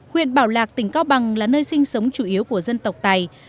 huyện bảo lạc tỉnh cao bằng là nơi sinh sống chủ yếu của dân tộc tài